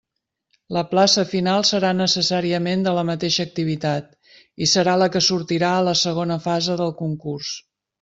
La plaça final serà necessàriament de la mateixa activitat i serà la que sortirà a la segona fase del concurs.